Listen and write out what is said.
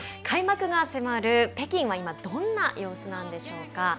開幕が迫る北京は、今どんな様子なんでしょうか。